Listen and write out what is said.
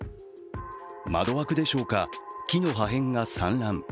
窓枠でしょうか、木の破片が散乱。